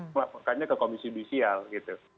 melaporkannya ke komisi judisial gitu